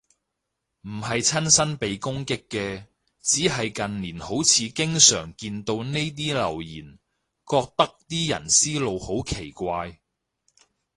唔係親身被攻擊嘅，只係近年好似經常見到呢種留言，覺得啲人思路好奇怪